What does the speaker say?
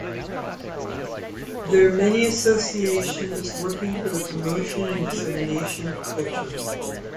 There are many associations working for the promotion and dissemination of culture.